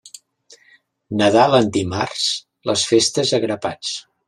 Nadal en dimarts, les festes a grapats.